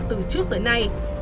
từ trước tới nay